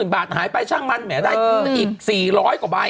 บาทหายไปช่างมันแหมได้อีก๔๐๐กว่าใบ